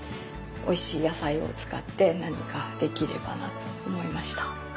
おいしい野菜を使って何かできればなと思いました。